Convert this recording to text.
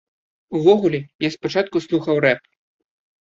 Увогуле, я спачатку слухаў рэп.